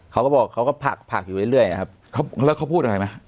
เขาก็บอกเขาก็ผักผักอยู่เรื่อยนะครับแล้วเขาพูดอะไรไหม